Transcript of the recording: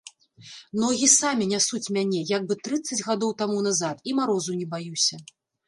Ногі самі нясуць мяне, як бы трыццаць гадоў таму назад, і марозу не баюся!